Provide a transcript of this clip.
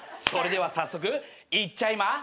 それでは早速いっちゃいま。